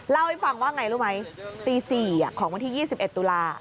เล่าให้ฟังว่าไงรู้ไหมตี๔ของวันที่๒๑ตุลา